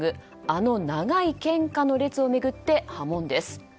あの長い献花の列を巡って波紋です。